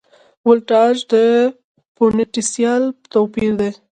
ولتاژ د پوتنسیال توپیر دی.